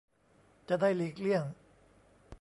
จะได้หลีกเลี่ยง